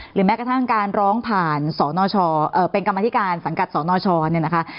แม้กระทั่งการร้องผ่านสนชเป็นกรรมธิการสังกัดสนชเนี่ยนะคะ